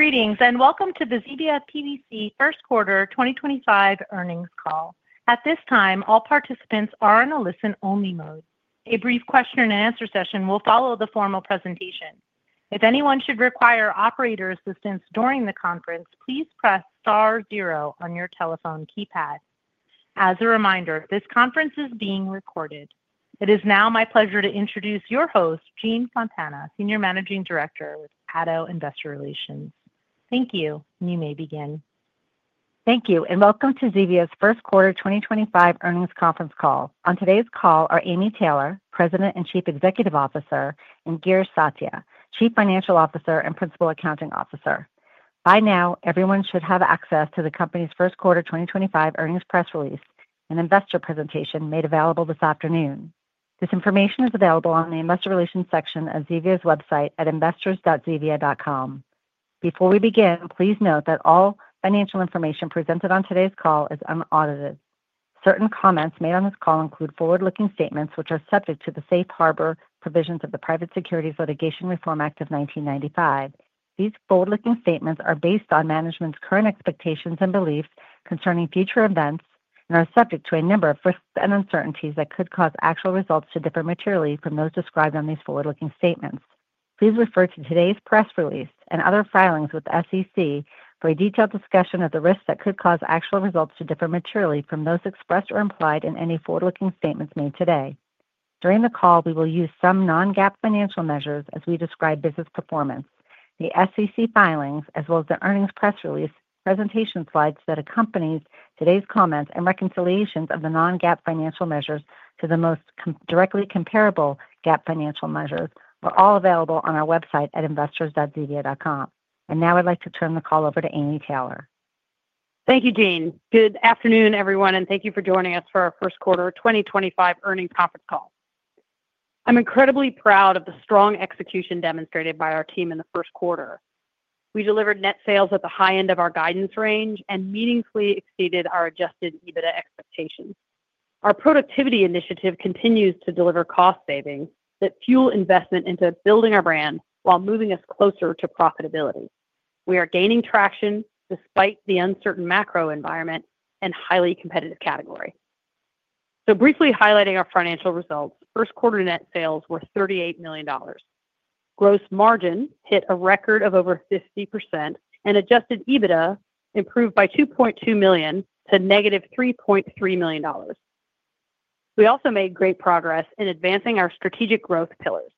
Greetings and welcome to the Zevia PBC first quarter 2025 earnings call. At this time, all participants are in a listen-only mode. A brief question-and-answer session will follow the formal presentation. If anyone should require operator assistance during the conference, please press star zero on your telephone keypad. As a reminder, this conference is being recorded. It is now my pleasure to introduce your host, Jean Fontana, Senior Managing Director with ADDO Investor Relations. Thank you, and you may begin. Thank you, and welcome to Zevia's first quarter 2025 earnings conference call. On today's call are Amy Taylor, President and Chief Executive Officer, and Girish Satya, Chief Financial Officer and Principal Accounting Officer. By now, everyone should have access to the company's first quarter 2025 earnings press release and investor presentation made available this afternoon. This information is available on the investor relations section of Zevia's website at investors.zevia.com. Before we begin, please note that all financial information presented on today's call is unaudited. Certain comments made on this call include forward-looking statements which are subject to the Safe Harbor provisions of the Private Securities Litigation Reform Act of 1995. These forward-looking statements are based on management's current expectations and beliefs concerning future events and are subject to a number of risks and uncertainties that could cause actual results to differ materially from those described on these forward-looking statements. Please refer to today's press release and other filings with the SEC for a detailed discussion of the risks that could cause actual results to differ materially from those expressed or implied in any forward-looking statements made today. During the call, we will use some non-GAAP financial measures as we describe business performance. The SEC filings, as well as the earnings press release presentation slides that accompany today's comments and reconciliations of the non-GAAP financial measures to the most directly comparable GAAP financial measures, are all available on our website at investors.zevia.com. I would like to turn the call over to Amy Taylor. Thank you, Jean. Good afternoon, everyone, and thank you for joining us for our First Quarter 2025 earnings conference call. I'm incredibly proud of the strong execution demonstrated by our team in the first quarter. We delivered net sales at the high end of our guidance range and meaningfully exceeded our adjusted EBITDA expectations. Our productivity initiative continues to deliver cost savings that fuel investment into building our brand while moving us closer to profitability. We are gaining traction despite the uncertain macro environment and highly competitive category. Briefly highlighting our financial results, first quarter net sales were $38 million. Gross margin hit a record of over 50%, and adjusted EBITDA improved by $2.2 million to -$3.3 million. We also made great progress in advancing our strategic growth pillars.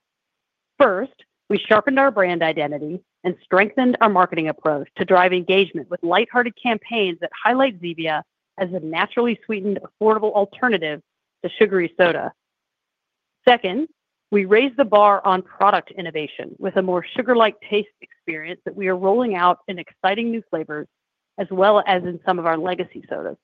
First, we sharpened our brand identity and strengthened our marketing approach to drive engagement with lighthearted campaigns that highlight Zevia as a naturally sweetened, affordable alternative to sugary soda. Second, we raised the bar on product innovation with a more sugar-like taste experience that we are rolling out in exciting new flavors, as well as in some of our legacy sodas.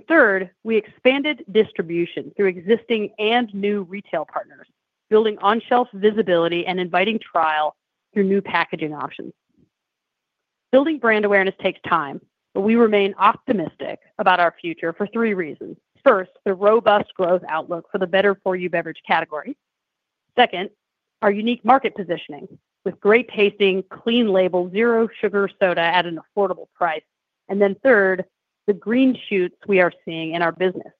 Third, we expanded distribution through existing and new retail partners, building on-shelf visibility and inviting trial through new packaging options. Building brand awareness takes time, but we remain optimistic about our future for three reasons. First, the robust growth outlook for the better-for-you beverage category. Second, our unique market positioning with great tasting, clean label, zero sugar soda at an affordable price. Third, the green shoots we are seeing in our business.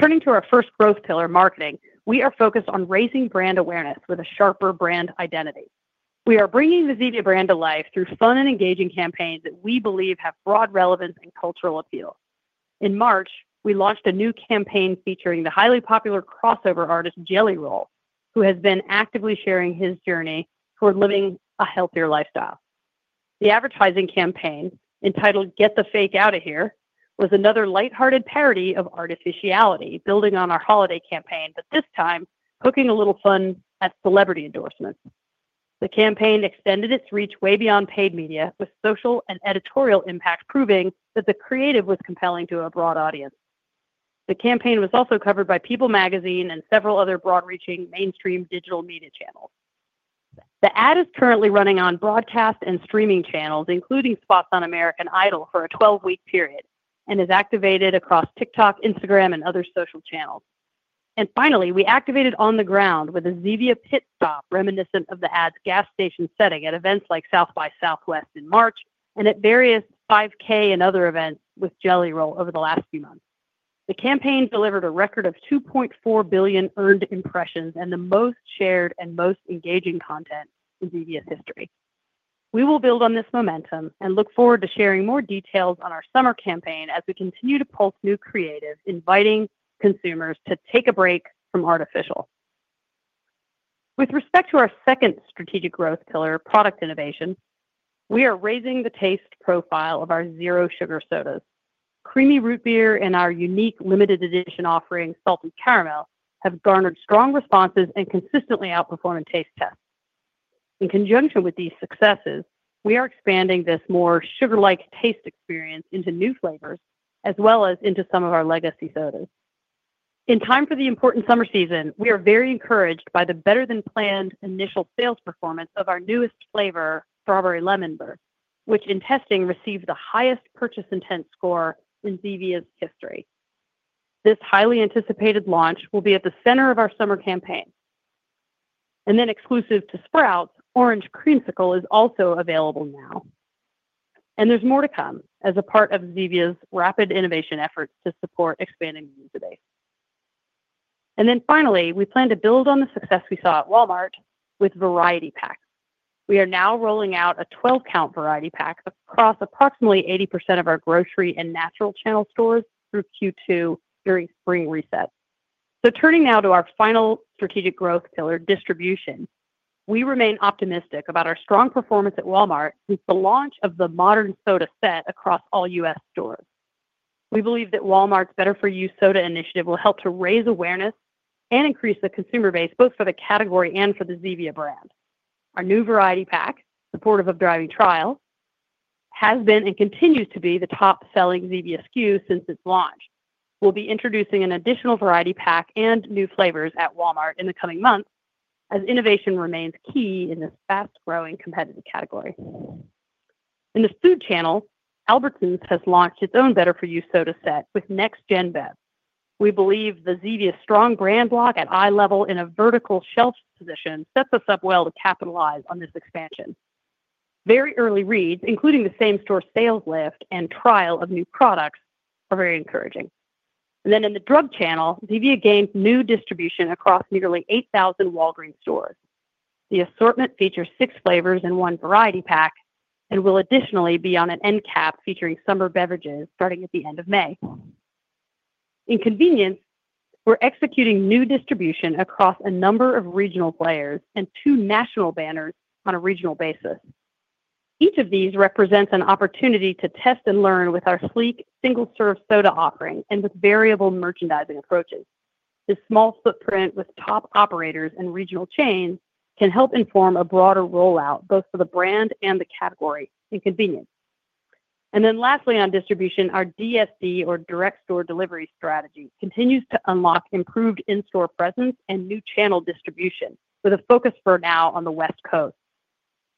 Turning to our first growth pillar, marketing, we are focused on raising brand awareness with a sharper brand identity. We are bringing the Zevia brand to life through fun and engaging campaigns that we believe have broad relevance and cultural appeal. In March, we launched a new campaign featuring the highly popular crossover artist Jelly Roll, who has been actively sharing his journey toward living a healthier lifestyle. The advertising campaign entitled "Get the Fake Outta Here" was another lighthearted parody of artificiality, building on our holiday campaign, but this time poking a little fun at celebrity endorsements. The campaign extended its reach way beyond paid media, with social and editorial impact proving that the creative was compelling to a broad audience. The campaign was also covered by People Magazine and several other broad-reaching mainstream digital media channels. The ad is currently running on broadcast and streaming channels, including spots on American Idol for a 12-week period, and is activated across TikTok, Instagram, and other social channels. Finally, we activated on the ground with a Zevia pit stop reminiscent of the ad's gas station setting at events like South by Southwest in March and at various 5K and other events with Jelly Roll over the last few months. The campaign delivered a record of 2.4 billion earned impressions and the most shared and most engaging content in Zevia's history. We will build on this momentum and look forward to sharing more details on our summer campaign as we continue to pull new creatives, inviting consumers to take a break from artificial. With respect to our second strategic growth pillar, product innovation, we are raising the taste profile of our zero sugar sodas. Creamy Root Beer and our unique limited edition offering, Salted Caramel, have garnered strong responses and consistently outperformed in taste tests. In conjunction with these successes, we are expanding this more sugar-like taste experience into new flavors, as well as into some of our legacy sodas. In time for the important summer season, we are very encouraged by the better-than-planned initial sales performance of our newest flavor, Strawberry Lemon Burst, which in testing received the highest purchase intent score in Zevia's history. This highly anticipated launch will be at the center of our summer campaign. Exclusive to Sprouts, Orange Creamsicle is also available now. There is more to come as a part of Zevia's rapid innovation efforts to support expanding the user base. Finally, we plan to build on the success we saw at Walmart with variety packs. We are now rolling out a 12-count variety pack across approximately 80% of our grocery and natural channel stores through Q2 during spring reset. Turning now to our final strategic growth pillar, distribution, we remain optimistic about our strong performance at Walmart since the launch of the Modern Soda set across all U.S. stores. We believe that Walmart's better-for-you soda initiative will help to raise awareness and increase the consumer base both for the category and for the Zevia brand. Our new variety pack, supportive of driving trials, has been and continues to be the top-selling Zevia SKU since its launch. We'll be introducing an additional variety pack and new flavors at Walmart in the coming months as innovation remains key in this fast-growing competitive category. In the food channel, Albertsons has launched its own better-for-you soda set with Next Gen Bev. We believe Zevia's strong brand lock at eye level in a vertical shelf position sets us up well to capitalize on this expansion. Very early reads, including the same store sales lift and trial of new products, are very encouraging. In the drug channel, Zevia gained new distribution across nearly 8,000 Walgreens stores. The assortment features six flavors and one variety pack and will additionally be on an end cap featuring summer beverages starting at the end of May. In convenience, we're executing new distribution across a number of regional players and two national banners on a regional basis. Each of these represents an opportunity to test and learn with our sleek single-serve soda offering and with variable merchandising approaches. This small footprint with top operators and regional chains can help inform a broader rollout both for the brand and the category in convenience. Lastly on distribution, our DSD, or direct store delivery strategy, continues to unlock improved in-store presence and new channel distribution with a focus for now on the West Coast.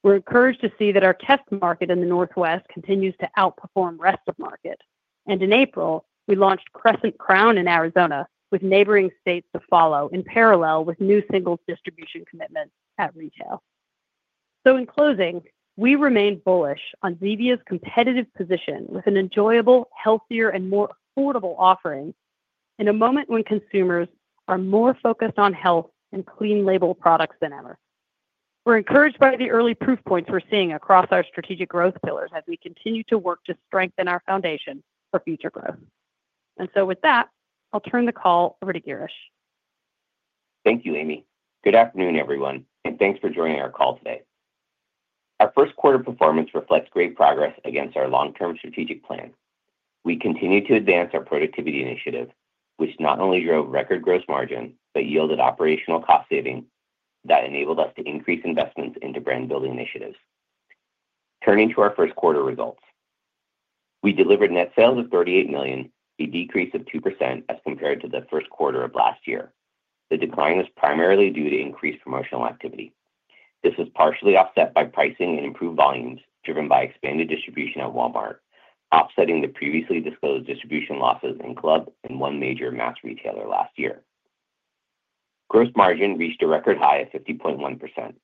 We are encouraged to see that our test market in the Northwest continues to outperform rest of market. In April, we launched Crescent Crown in Arizona with neighboring states to follow in parallel with new single distribution commitments at retail. In closing, we remain bullish on Zevia's competitive position with an enjoyable, healthier, and more affordable offering in a moment when consumers are more focused on health and clean label products than ever. We are encouraged by the early proof points we are seeing across our strategic growth pillars as we continue to work to strengthen our foundation for future growth. With that, I will turn the call over to Girish. Thank you, Amy. Good afternoon, everyone, and thanks for joining our call today. Our first quarter performance reflects great progress against our long-term strategic plan. We continue to advance our productivity initiative, which not only drove record gross margin but yielded operational cost savings that enabled us to increase investments into brand-building initiatives. Turning to our first quarter results, we delivered net sales of $38 million, a decrease of 2% as compared to the first quarter of last year. The decline was primarily due to increased promotional activity. This was partially offset by pricing and improved volumes driven by expanded distribution at Walmart, offsetting the previously disclosed distribution losses in club and one major mass retailer last year. Gross margin reached a record high of 50.1%, an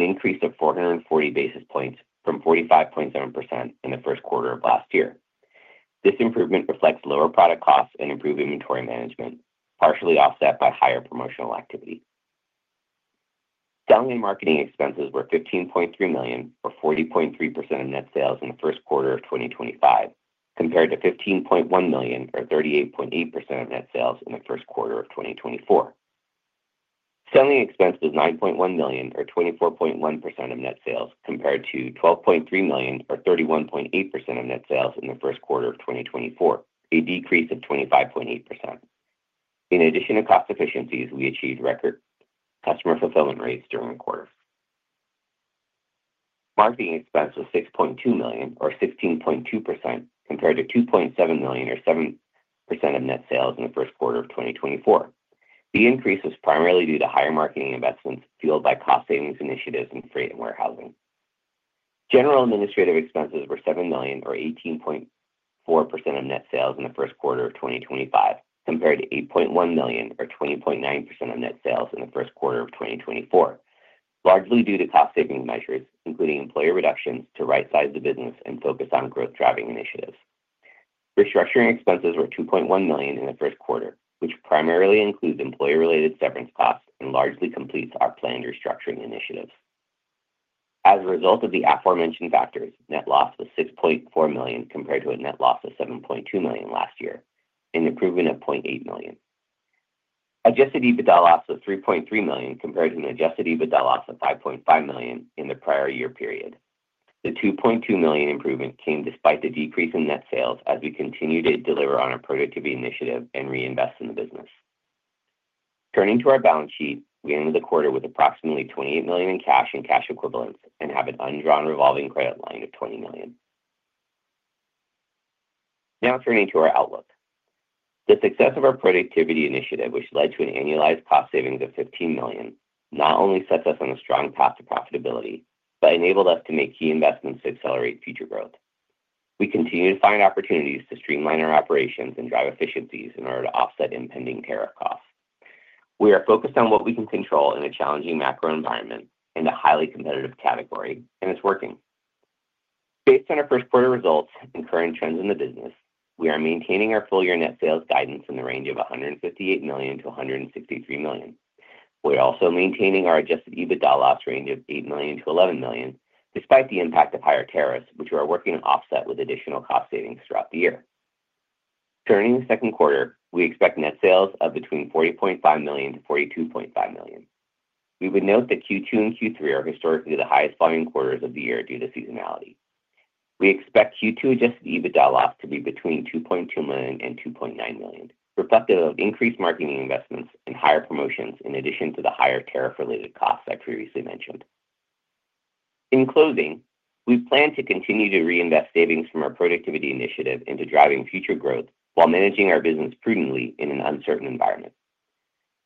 increase of 440 basis points from 45.7% in the first quarter of last year. This improvement reflects lower product costs and improved inventory management, partially offset by higher promotional activity. Selling and marketing expenses were $15.3 million, or 40.3% of net sales in the first quarter of 2025, compared to $15.1 million, or 38.8% of net sales in the first quarter of 2024. Selling expenses were $9.1 million, or 24.1% of net sales, compared to $12.3 million, or 31.8% of net sales in the first quarter of 2024, a decrease of 25.8%. In addition to cost efficiencies, we achieved record customer fulfillment rates during the quarter. Marketing expenses were $6.2 million, or 16.2%, compared to $2.7 million, or 7% of net sales in the first quarter of 2024. The increase was primarily due to higher marketing investments fueled by cost savings initiatives in freight and warehousing. General administrative expenses were $7 million, or 18.4% of net sales in the first quarter of 2025, compared to $8.1 million, or 20.9% of net sales in the first quarter of 2024, largely due to cost-saving measures, including employee reductions to right-size the business and focus on growth-driving initiatives. Restructuring expenses were $2.1 million in the first quarter, which primarily includes employee-related severance costs and largely completes our planned restructuring initiatives. As a result of the aforementioned factors, net loss was $6.4 million compared to a net loss of $7.2 million last year, an improvement of $0.8 million. Adjusted EBITDA loss was $3.3 million compared to an adjusted EBITDA loss of $5.5 million in the prior year period. The $2.2 million improvement came despite the decrease in net sales as we continued to deliver on our productivity initiative and reinvest in the business. Turning to our balance sheet, we ended the quarter with approximately $28 million in cash and cash equivalents and have an undrawn revolving credit line of $20 million. Now turning to our outlook, the success of our productivity initiative, which led to an annualized cost savings of $15 million, not only sets us on a strong path to profitability but enabled us to make key investments to accelerate future growth. We continue to find opportunities to streamline our operations and drive efficiencies in order to offset impending tariff costs. We are focused on what we can control in a challenging macro environment and a highly competitive category, and it's working. Based on our first quarter results and current trends in the business, we are maintaining our full-year net sales guidance in the range of $158 million-$163 million. We're also maintaining our adjusted EBITDA loss range of $8 million-$11 million, despite the impact of higher tariffs, which we are working to offset with additional cost savings throughout the year. Turning to the second quarter, we expect net sales of between $40.5 million and $42.5 million. We would note that Q2 and Q3 are historically the highest-volume quarters of the year due to seasonality. We expect Q2 adjusted EBITDA loss to be between $2.2 million and $2.9 million, reflective of increased marketing investments and higher promotions in addition to the higher tariff-related costs I previously mentioned. In closing, we plan to continue to reinvest savings from our productivity initiative into driving future growth while managing our business prudently in an uncertain environment.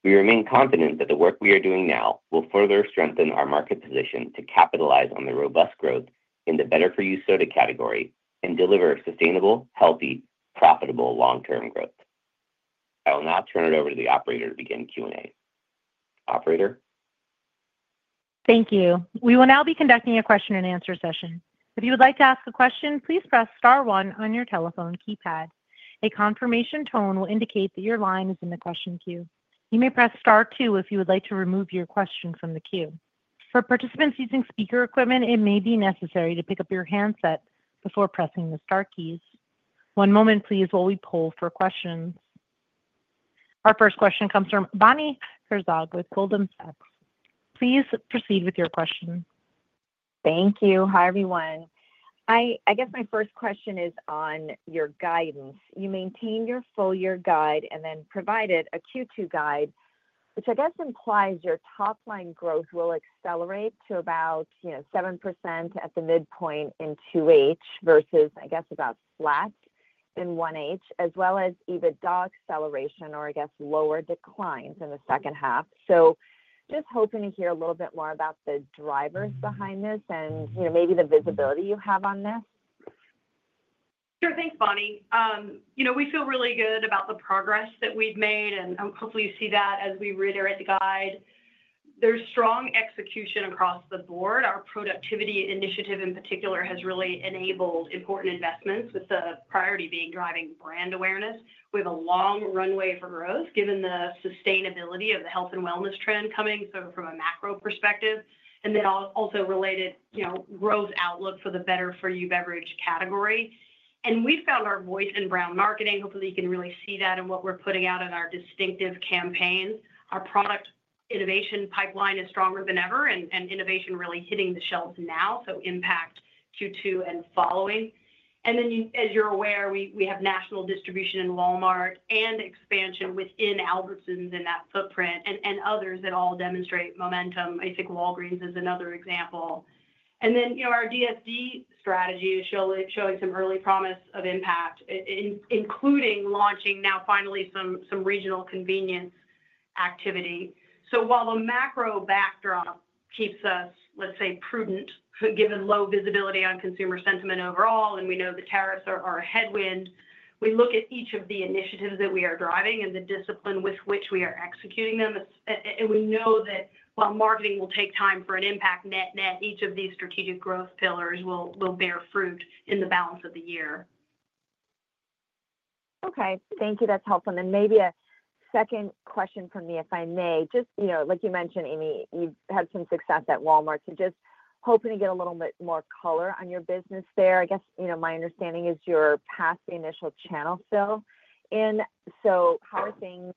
We remain confident that the work we are doing now will further strengthen our market position to capitalize on the robust growth in the better-for-you soda category and deliver sustainable, healthy, profitable long-term growth. I will now turn it over to the operator to begin Q&A. Operator. Thank you. We will now be conducting a question-and-answer session. If you would like to ask a question, please press Star 1 on your telephone keypad. A confirmation tone will indicate that your line is in the question queue. You may press Star 2 if you would like to remove your question from the queue. For participants using speaker equipment, it may be necessary to pick up your handset before pressing the Star keys. One moment, please, while we pull for questions. Our first question comes from Bonnie Herzog with Goldman Sachs. Please proceed with your question. Thank you. Hi, everyone. I guess my first question is on your guidance. You maintain your full-year guide and then provided a Q2 guide, which I guess implies your top-line growth will accelerate to about 7% at the midpoint in 2H versus, I guess, about flat in 1H, as well as EBITDA acceleration or, I guess, lower declines in the second half. Just hoping to hear a little bit more about the drivers behind this and maybe the visibility you have on this. Sure. Thanks, Bonnie. We feel really good about the progress that we've made, and hopefully you see that as we reiterate the guide. There's strong execution across the board. Our productivity initiative, in particular, has really enabled important investments, with the priority being driving brand awareness. We have a long runway for growth given the sustainability of the health and wellness trend coming, from a macro perspective, and then also related growth outlook for the better-for-you beverage category. We've found our voice in brand marketing. Hopefully, you can really see that in what we're putting out in our distinctive campaigns. Our product innovation pipeline is stronger than ever, and innovation is really hitting the shelves now, so impact Q2 and following. As you're aware, we have national distribution in Walmart and expansion within Albertsons in that footprint and others that all demonstrate momentum. I think Walgreens is another example. Our DSD strategy is showing some early promise of impact, including launching now finally some regional convenience activity. While the macro backdrop keeps us, let's say, prudent given low visibility on consumer sentiment overall, and we know the tariffs are a headwind, we look at each of the initiatives that we are driving and the discipline with which we are executing them. We know that while marketing will take time for an impact net-net, each of these strategic growth pillars will bear fruit in the balance of the year. Okay. Thank you. That's helpful. Maybe a second question from me, if I may. Just like you mentioned, Amy, you've had some success at Walmart. Just hoping to get a little bit more color on your business there. I guess my understanding is you're past the initial channel fill. How are things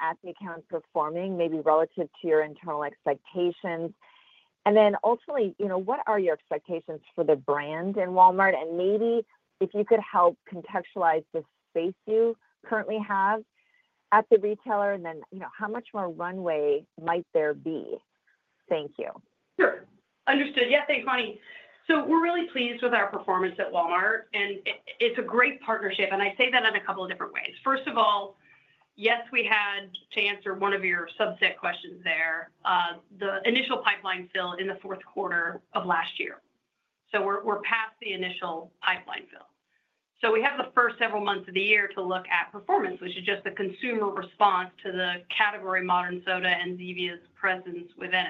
at the account performing, maybe relative to your internal expectations? Ultimately, what are your expectations for the brand in Walmart? Maybe if you could help contextualize the space you currently have at the retailer, and then how much more runway might there be? Thank you. Sure. Understood. Yeah. Thanks, Bonnie. We're really pleased with our performance at Walmart, and it's a great partnership. I say that in a couple of different ways. First of all, yes, to answer one of your subset questions there, the initial pipeline fill in the fourth quarter of last year. We're past the initial pipeline fill. We have the first several months of the year to look at performance, which is just the consumer response to the category Modern Soda and Zevia's presence within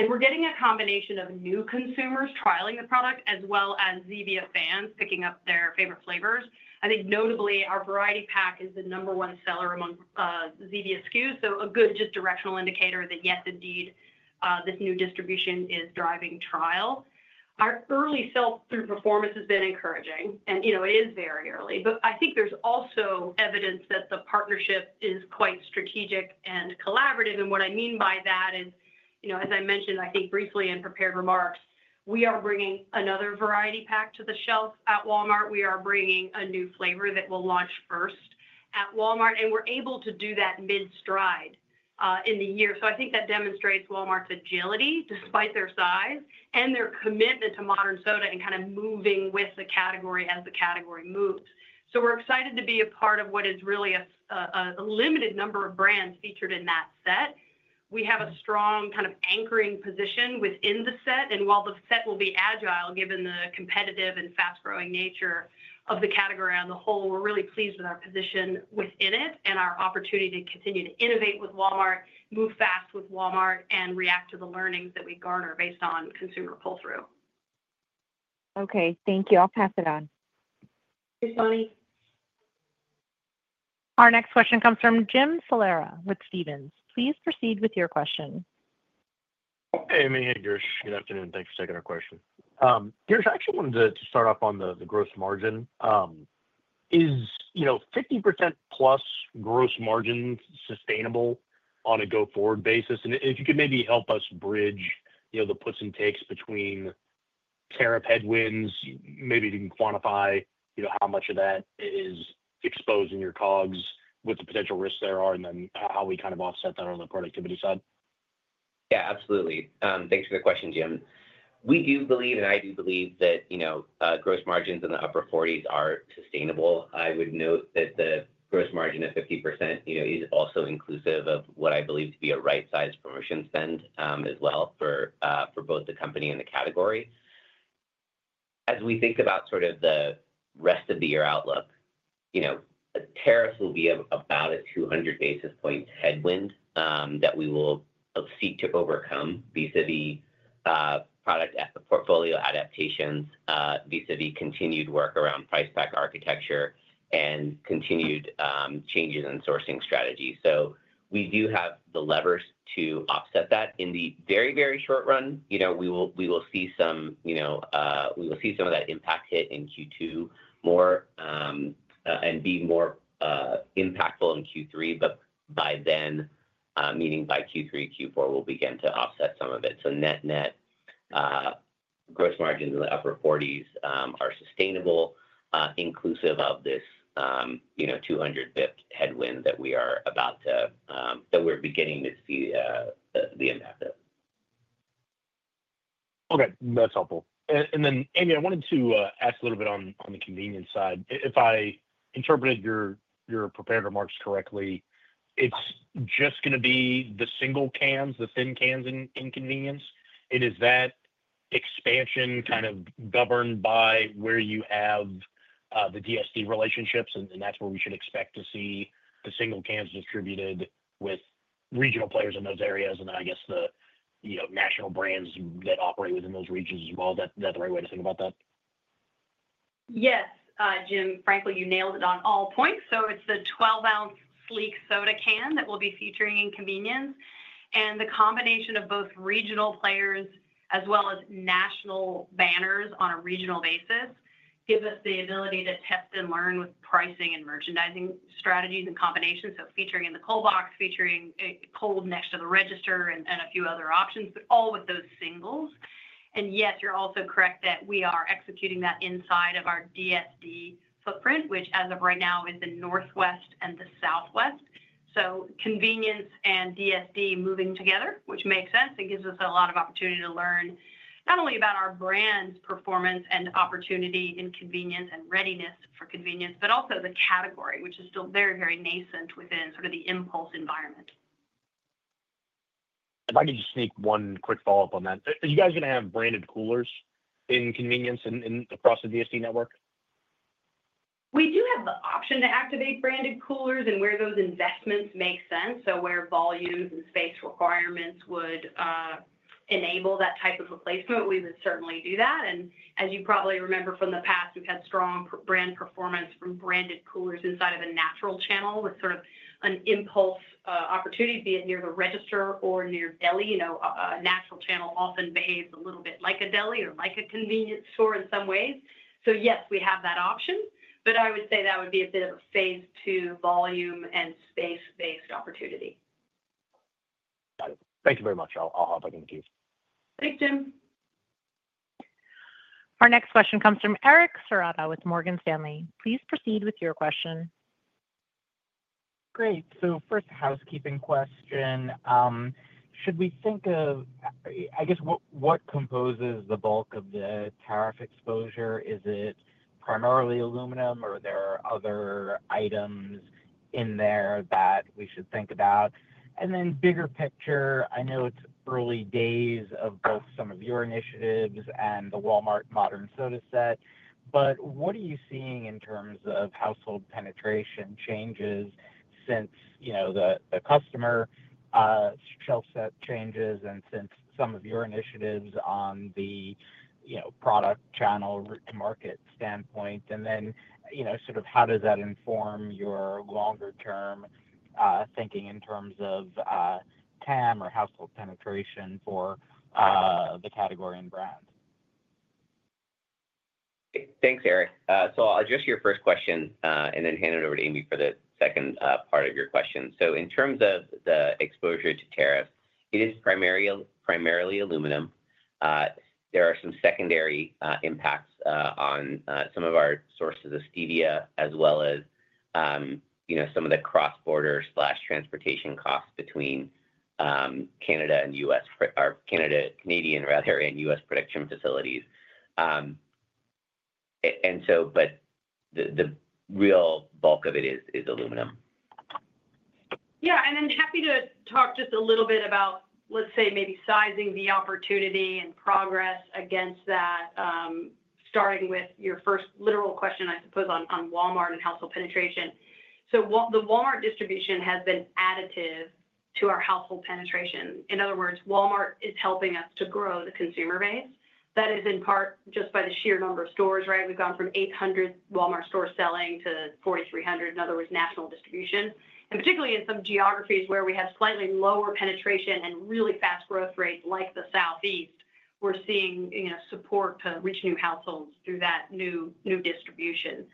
it. We're getting a combination of new consumers trialing the product as well as Zevia fans picking up their favorite flavors. I think notably, our variety pack is the number one seller among Zevia SKUs, so a good just directional indicator that, yes, indeed, this new distribution is driving trial. Our early sales through performance has been encouraging, and it is very early. I think there is also evidence that the partnership is quite strategic and collaborative. What I mean by that is, as I mentioned, I think briefly in prepared remarks, we are bringing another variety pack to the shelf at Walmart. We are bringing a new flavor that will launch first at Walmart, and we are able to do that mid-stride in the year. I think that demonstrates Walmart's agility despite their size and their commitment to Modern Soda and kind of moving with the category as the category moves. We are excited to be a part of what is really a limited number of brands featured in that set. We have a strong kind of anchoring position within the set. While the set will be agile given the competitive and fast-growing nature of the category as a whole, we're really pleased with our position within it and our opportunity to continue to innovate with Walmart, move fast with Walmart, and react to the learnings that we garner based on consumer pull-through. Okay. Thank you. I'll pass it on. Thanks, Bonnie. Our next question comes from Jim Salera with Stephens. Please proceed with your question. Amy and Girish, good afternoon. Thanks for taking our question. Girish, I actually wanted to start off on the gross margin. Is 50%+ gross margin sustainable on a go-forward basis? If you could maybe help us bridge the puts and takes between tariff headwinds, maybe you can quantify how much of that is exposed in your COGS with the potential risks there are, and then how we kind of offset that on the productivity side. Yeah, absolutely. Thanks for the question, Jim. We do believe, and I do believe, that gross margins in the upper 40s are sustainable. I would note that the gross margin of 50% is also inclusive of what I believe to be a right-sized promotion spend as well for both the company and the category. As we think about sort of the rest of the year outlook, tariffs will be about a 200 basis point headwind that we will seek to overcome vis-à-vis product portfolio adaptations, vis-à-vis continued work around price pack architecture, and continued changes in sourcing strategy. We do have the levers to offset that. In the very, very short run, we will see some of that impact hit in Q2 more and be more impactful in Q3. By then, meaning by Q3, Q4, we will begin to offset some of it. Net-net, gross margins in the upper 40s are sustainable, inclusive of this 200 basis point headwind that we are about to, that we're beginning to see the impact of. Okay. That's helpful. Amy, I wanted to ask a little bit on the convenience side. If I interpreted your prepared remarks correctly, it's just going to be the single cans, the thin cans in convenience. Is that expansion kind of governed by where you have the DSD relationships? That's where we should expect to see the single cans distributed with regional players in those areas and, I guess, the national brands that operate within those regions as well. Is that the right way to think about that? Yes. Jim, frankly, you nailed it on all points. It is the 12-ounce sleek soda can that we will be featuring in convenience. The combination of both regional players as well as national banners on a regional basis gives us the ability to test and learn with pricing and merchandising strategies and combinations. Featuring in the cold box, featuring cold next to the register, and a few other options, but all with those singles. Yes, you are also correct that we are executing that inside of our DSD footprint, which, as of right now, is the Northwest and the Southwest. Convenience and DSD moving together makes sense and gives us a lot of opportunity to learn not only about our brand's performance and opportunity in convenience and readiness for convenience, but also the category, which is still very, very nascent within sort of the impulse environment. If I could just sneak one quick follow-up on that. Are you guys going to have branded coolers in convenience across the DSD network? We do have the option to activate branded coolers and where those investments make sense. Where volumes and space requirements would enable that type of replacement, we would certainly do that. As you probably remember from the past, we've had strong brand performance from branded coolers inside of a natural channel with sort of an impulse opportunity, be it near the register or near deli. A natural channel often behaves a little bit like a deli or like a convenience store in some ways. Yes, we have that option. I would say that would be a bit of a phase two volume and space-based opportunity. Got it. Thank you very much. I'll hop back in the queue. Thanks, Jim. Our next question comes from Eric Serotta with Morgan Stanley. Please proceed with your question. Great. First, housekeeping question. Should we think of, I guess, what composes the bulk of the tariff exposure? Is it primarily aluminum, or are there other items in there that we should think about? Bigger picture, I know it's early days of both some of your initiatives and the Walmart Modern Soda set. What are you seeing in terms of household penetration changes since the customer shelf set changes and since some of your initiatives on the product channel route-to-market standpoint? How does that inform your longer-term thinking in terms of TAM or household penetration for the category and brand? Thanks, Eric. I'll address your first question and then hand it over to Amy for the second part of your question. In terms of the exposure to tariffs, it is primarily aluminum. There are some secondary impacts on some of our sources of Stevia as well as some of the cross-border transportation costs between Canada and U.S. or Canadian rather, and U.S. production facilities. The real bulk of it is aluminum. Yeah. I'm happy to talk just a little bit about, let's say, maybe sizing the opportunity and progress against that, starting with your first literal question, I suppose, on Walmart and household penetration. The Walmart distribution has been additive to our household penetration. In other words, Walmart is helping us to grow the consumer base. That is in part just by the sheer number of stores, right? We've gone from 800 Walmart stores selling to 4,300, in other words, national distribution. Particularly in some geographies where we have slightly lower penetration and really fast growth rates like the Southeast, we're seeing support to reach new households through that new distribution.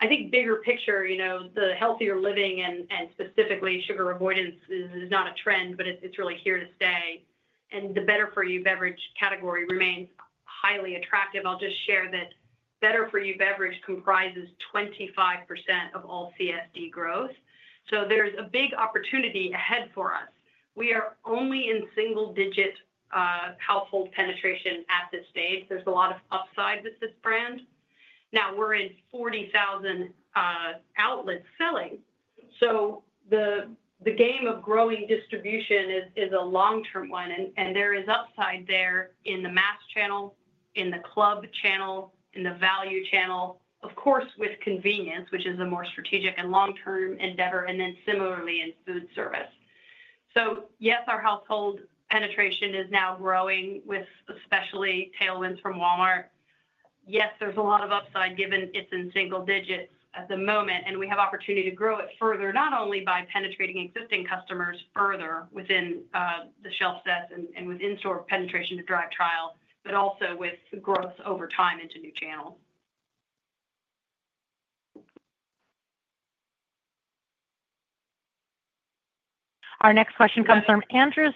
I think bigger picture, the healthier living and specifically sugar avoidance is not a trend, but it's really here to stay. The better-for-you beverage category remains highly attractive. I'll just share that better-for-you beverage comprises 25% of all CSD growth. There is a big opportunity ahead for us. We are only in single-digit household penetration at this stage. There is a lot of upside with this brand. Now we are in 40,000 outlets selling. The game of growing distribution is a long-term one. There is upside there in the mass channel, in the club channel, in the value channel, of course, with convenience, which is a more strategic and long-term endeavor, and then similarly in food service. Yes, our household penetration is now growing with especially tailwinds from Walmart. Yes, there is a lot of upside given it is in single digits at the moment. We have opportunity to grow it further, not only by penetrating existing customers further within the shelf sets and with in-store penetration to drive trial, but also with growth over time into new channels. Our next question comes from Andrew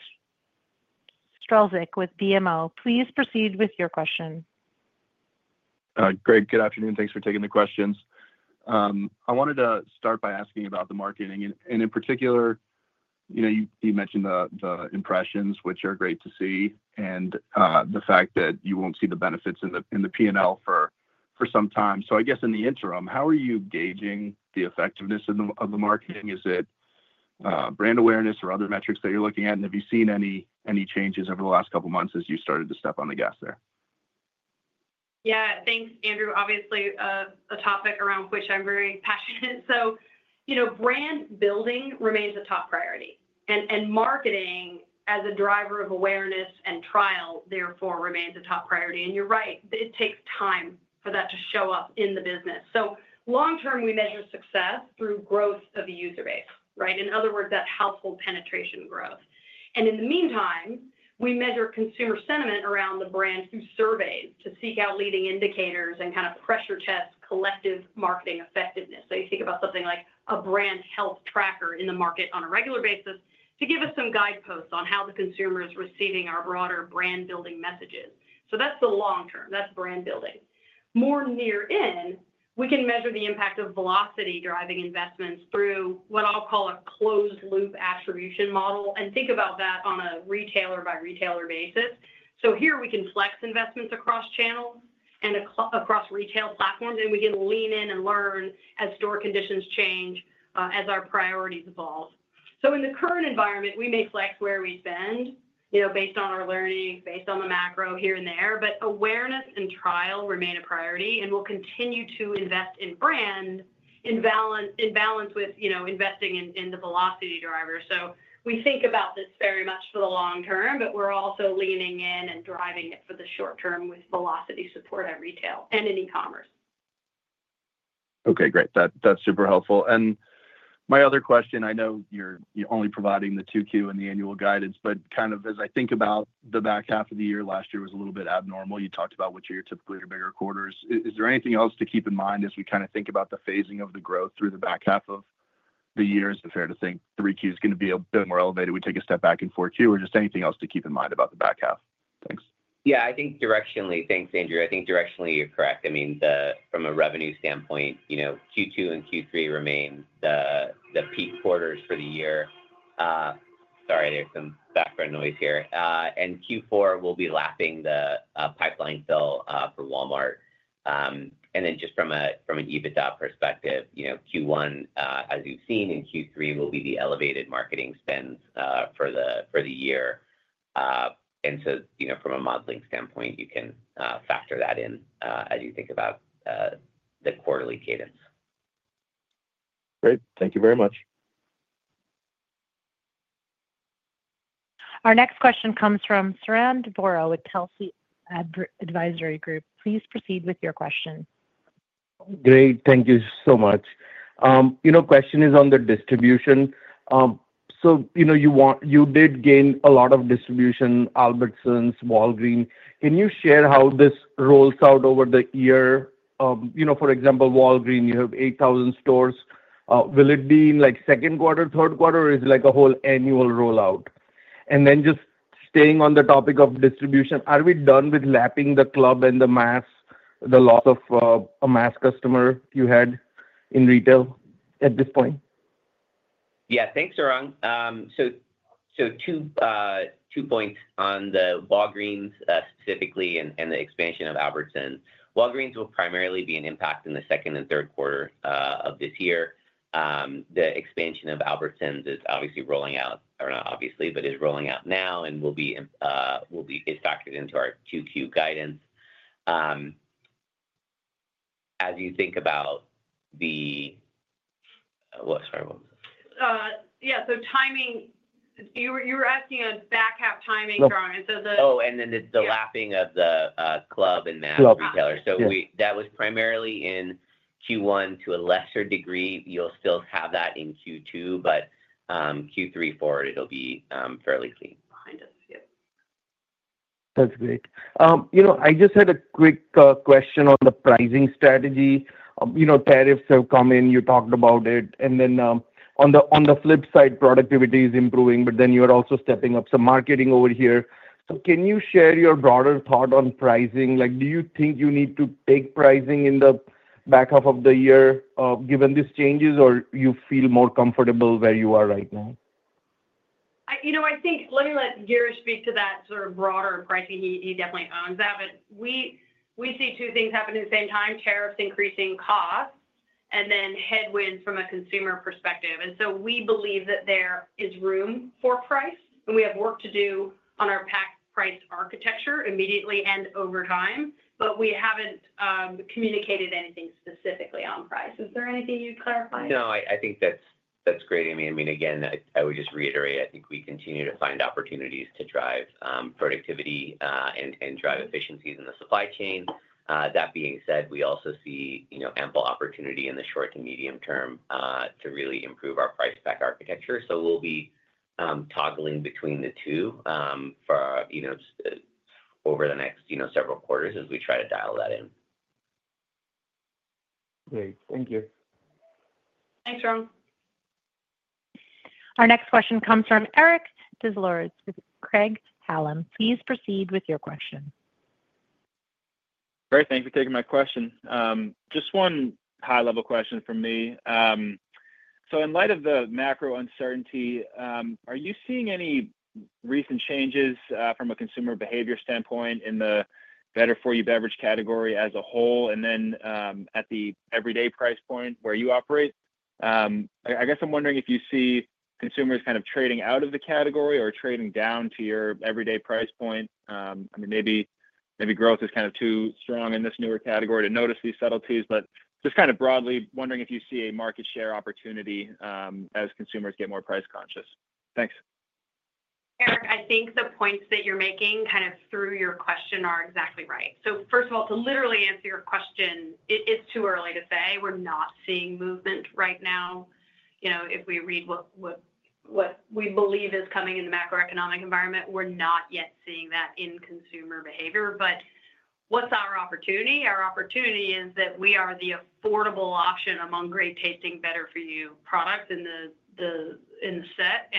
Strelzik with BMO. Please proceed with your question. Great. Good afternoon. Thanks for taking the questions. I wanted to start by asking about the marketing. In particular, you mentioned the impressions, which are great to see, and the fact that you will not see the benefits in the P&L for some time. I guess in the interim, how are you gauging the effectiveness of the marketing? Is it brand awareness or other metrics that you are looking at? Have you seen any changes over the last couple of months as you started to step on the gas there? Yeah. Thanks, Andrew. Obviously, a topic around which I'm very passionate. Brand building remains a top priority. Marketing as a driver of awareness and trial, therefore, remains a top priority. You're right. It takes time for that to show up in the business. Long-term, we measure success through growth of the user base, right? In other words, that household penetration growth. In the meantime, we measure consumer sentiment around the brand through surveys to seek out leading indicators and kind of pressure test collective marketing effectiveness. You think about something like a brand health tracker in the market on a regular basis to give us some guideposts on how the consumer is receiving our broader brand-building messages. That's the long-term. That's brand building. More near-in, we can measure the impact of velocity-driving investments through what I'll call a closed-loop attribution model and think about that on a retailer-by-retailer basis. Here, we can flex investments across channels and across retail platforms. We can lean in and learn as store conditions change, as our priorities evolve. In the current environment, we may flex where we spend based on our learning, based on the macro here and there. Awareness and trial remain a priority. We'll continue to invest in brand in balance with investing in the velocity drivers. We think about this very much for the long term, but we're also leaning in and driving it for the short term with velocity support at retail and in e-commerce. Okay. Great. That's super helpful. My other question, I know you're only providing the 2Q and the annual guidance, but kind of as I think about the back half of the year, last year was a little bit abnormal. You talked about which are typically your bigger quarters. Is there anything else to keep in mind as we kind of think about the phasing of the growth through the back half of the year? Is it fair to think 3Q is going to be a bit more elevated? We take a step back in 4Q? Or just anything else to keep in mind about the back half? Thanks. Yeah. I think directionally, thanks, Andrew. I think directionally, you're correct. I mean, from a revenue standpoint, Q2 and Q3 remain the peak quarters for the year. Sorry, there's some background noise here. Q4, we'll be lapping the pipeline fill for Walmart. Just from an EBITDA perspective, Q1, as you've seen, and Q3 will be the elevated marketing spend for the year. From a modeling standpoint, you can factor that in as you think about the quarterly cadence. Great. Thank you very much. Our next question comes from Sarang Vora with Telsey Advisory Group. Please proceed with your question. Great. Thank you so much. Question is on the distribution. So you did gain a lot of distribution, Albertsons, Walgreens. Can you share how this rolls out over the year? For example, Walgreens, you have 8,000 stores. Will it be in second quarter, third quarter, or is it a whole annual rollout? And then just staying on the topic of distribution, are we done with lapping the club and the mass, the loss of a mass customer you had in retail at this point? Yeah. Thanks, Sarang. So two points on the Walgreens specifically and the expansion of Albertsons. Walgreens will primarily be an impact in the second and third quarter of this year. The expansion of Albertsons is obviously rolling out. Or not obviously, but is rolling out now and will be factored into our Q2 guidance. As you think about the—well, sorry, what was this? Yeah. Timing, you were asking on back half timing, Sarang. And so the. Oh, and then it's the lapping of the club and mass retailers. That was primarily in Q1 to a lesser degree. You'll still have that in Q2, but Q3 forward, it'll be fairly clean behind us. Yep. That's great. I just had a quick question on the pricing strategy. Tariffs have come in. You talked about it. On the flip side, productivity is improving, but then you're also stepping up some marketing over here. Can you share your broader thought on pricing? Do you think you need to pick pricing in the back half of the year given these changes, or do you feel more comfortable where you are right now? I think let me let Girish speak to that sort of broader pricing. He definitely owns that. We see two things happening at the same time: tariffs, increasing costs, and then headwinds from a consumer perspective. We believe that there is room for price. We have work to do on our pack price architecture immediately and over time, but we have not communicated anything specifically on price. Is there anything you would clarify? No, I think that's great. I mean, again, I would just reiterate, I think we continue to find opportunities to drive productivity and drive efficiencies in the supply chain. That being said, we also see ample opportunity in the short to medium term to really improve our price pack architecture. We'll be toggling between the two over the next several quarters as we try to dial that in. Great. Thank you. Thanks, Sarang. Our next question comes from Eric Des Lauriers with Craig-Hallum. Please proceed with your question. Great. Thanks for taking my question. Just one high-level question from me. In light of the macro uncertainty, are you seeing any recent changes from a consumer behavior standpoint in the better-for-you beverage category as a whole and then at the everyday price point where you operate? I guess I'm wondering if you see consumers kind of trading out of the category or trading down to your everyday price point. I mean, maybe growth is kind of too strong in this newer category to notice these subtleties, but just kind of broadly wondering if you see a market share opportunity as consumers get more price conscious. Thanks. Eric, I think the points that you're making kind of through your question are exactly right. First of all, to literally answer your question, it is too early to say. We're not seeing movement right now. If we read what we believe is coming in the macroeconomic environment, we're not yet seeing that in consumer behavior. What's our opportunity? Our opportunity is that we are the affordable option among great tasting better-for-you products in the set.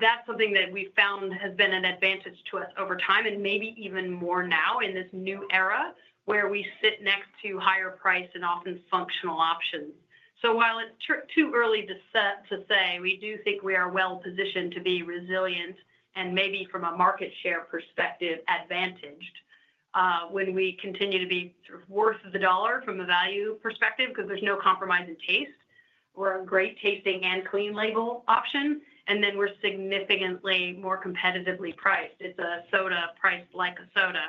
That's something that we found has been an advantage to us over time and maybe even more now in this new era where we sit next to higher price and often functional options. While it's too early to say, we do think we are well-positioned to be resilient and maybe from a market share perspective, advantaged when we continue to be worth the dollar from a value perspective because there's no compromise in taste. We're a great tasting and clean label option. Then we're significantly more competitively priced. It's a soda priced like a soda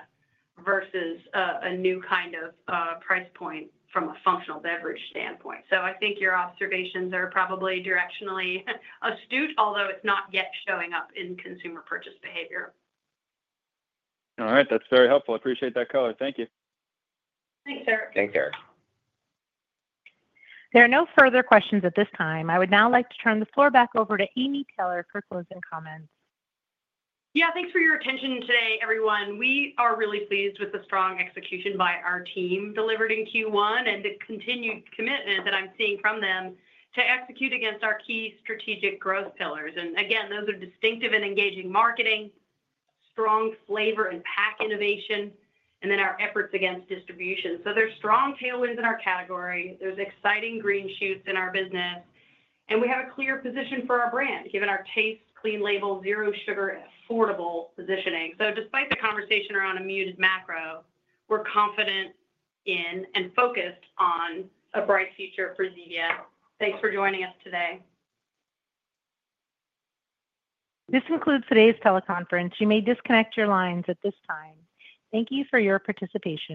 versus a new kind of price point from a functional beverage standpoint. I think your observations are probably directionally astute, although it's not yet showing up in consumer purchase behavior. All right. That's very helpful. I appreciate that color. Thank you. Thanks, Eric. Thanks, Eric. There are no further questions at this time. I would now like to turn the floor back over to Amy Taylor for closing comments. Yeah. Thanks for your attention today, everyone. We are really pleased with the strong execution by our team delivered in Q1 and the continued commitment that I'm seeing from them to execute against our key strategic growth pillars. Again, those are distinctive and engaging marketing, strong flavor and pack innovation, and then our efforts against distribution. There are strong tailwinds in our category. There are exciting green shoots in our business. We have a clear position for our brand given our taste, clean label, zero sugar, affordable positioning. Despite the conversation around a muted macro, we're confident in and focused on a bright future for Zevia. Thanks for joining us today. This concludes today's teleconference. You may disconnect your lines at this time. Thank you for your participation.